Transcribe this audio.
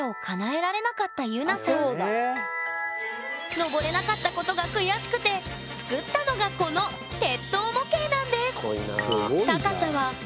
のぼれなかったことが悔しくて作ったのがこの鉄塔模型なんです